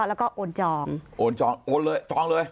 แล้วก็โอนจองโอนจองโอนเลยจองเลย